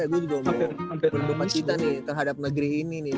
ya gua juga ngomong berduka cita nih terhadap negeri ini nih